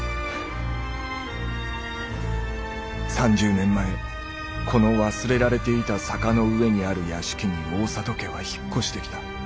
３０年前この忘れられていた坂の上にある屋敷に大郷家は引っ越してきた。